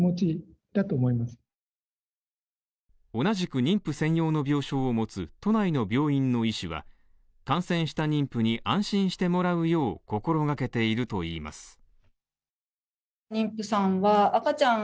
同じく妊婦専用の病床を持つ都内の病院の医師は、感染した妊婦に安心してもらうよう心がけているといいます。